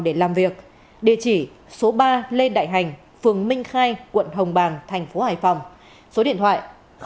địa chỉ số ba lê đại hành phường minh khai quận hồng bàng tp hải phòng số điện thoại sáu trăm chín mươi hai bảy trăm tám mươi năm bốn trăm năm mươi chín